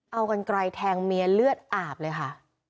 เอากันไกลแทงเมียเลือดอาบเลยค่ะ